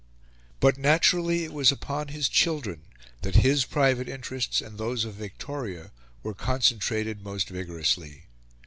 But naturally it was upon his children that his private interests and those of Victoria were concentrated most vigorously.